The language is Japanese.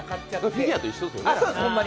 フィギュアと一緒です、ホンマに。